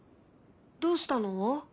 どうしたの？